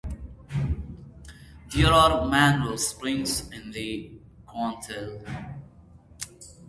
There are Mineral springs in the Kronthal.